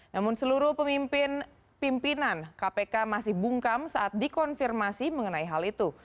namun seluruh pemimpin pimpinan kpk masih bungkam saat dikonfirmasi mengenai hal itu